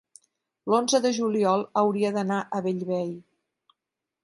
l'onze de juliol hauria d'anar a Bellvei.